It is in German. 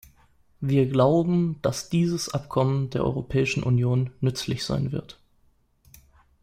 Wir glauben, dass dieses Abkommen der Europäischen Union nützlich sein wird.